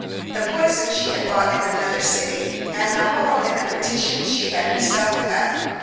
The poison she had bought in another city, and the hole in the partition she had herself cut.